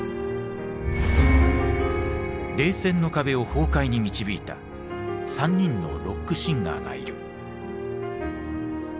冷戦の壁を崩壊に導いた３人のロックシンガーがいる。